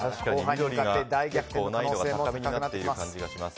緑が難易度が高めになっている感じがします。